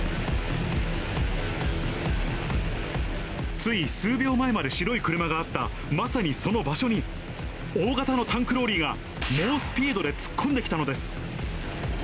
つい数秒前まで白い車があったまさにその場所に、大型のタンクローリーが猛スピードで突っ込んできたのです。